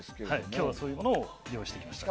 今日は、そういうものを用意してきました。